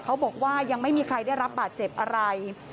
เขาบอกว่ายังไม่มีใครได้รับบาดเจ็บอะไร